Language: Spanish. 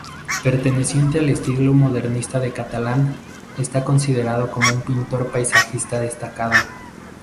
Perteneciente al estilo modernista catalán, está considerado como un pintor paisajista destacado.